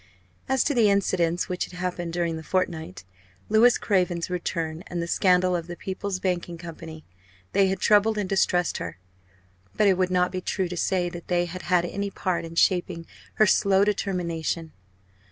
As to the incidents which had happened during the fortnight Louis Craven's return, and the scandal of the "People's Banking Company" they had troubled and distressed her; but it would not be true to say that they had had any part in shaping her slow determination.